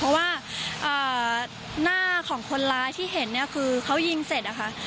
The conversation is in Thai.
เพราะว่าหน้าของคนร้ายที่เห็นเนี่ยคือเขายิงเสร็จนะคะ